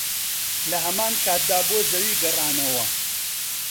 لەهەمانکاتدا بۆ زەوی گەڕانەوە